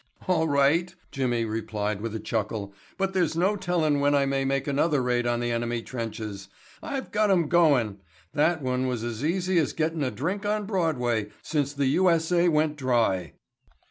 "All right," Jimmy replied with a chuckle, "but there's no tellin' when I may make another raid on the enemy trenches. I've got 'em goin'. That one was as easy as getting a drink on Broadway since the U.S.A. went dry."